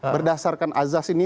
berdasarkan azas ini